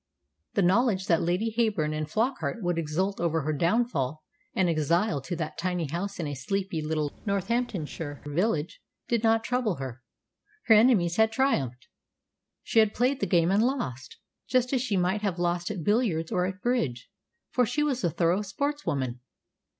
The knowledge that Lady Heyburn and Flockart would exult over her downfall and exile to that tiny house in a sleepy little Northamptonshire village did not trouble her. Her enemies had triumphed. She had played the game and lost, just as she might have lost at billiards or at bridge, for she was a thorough sportswoman.